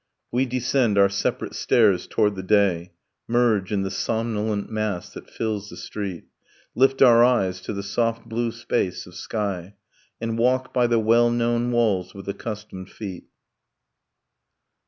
We descend our separate stairs toward the day, Merge in the somnolent mass that fills the street, Lift our eyes to the soft blue space of sky, And walk by the well known walls with accustomed feet.